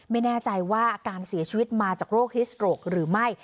ไม่แน่ใจว่าอาการเสียชีวิตมาจากโรคฮิสโตรกหรือไม่